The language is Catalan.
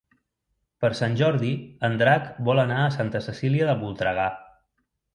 Per Sant Jordi en Drac vol anar a Santa Cecília de Voltregà.